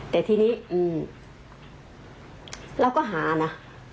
แต่ทีนี้เราก็หานะ